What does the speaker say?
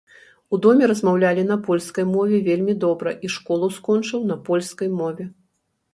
У дома размаўлялі на польскай мове вельмі добра, і школу скончыў на польскай мове.